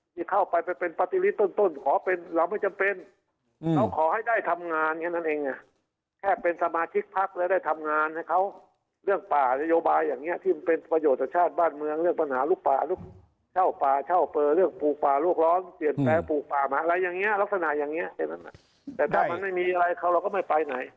ที่เข้าไปเป็นปฏิริตต้นขอเป็นเราไม่จำเป็นเราขอให้ได้ทำงานอย่างนั้นเองแค่เป็นสมาชิกพักแล้วได้ทำงานให้เขา